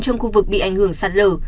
trong khu vực bị ảnh hưởng sạt lờ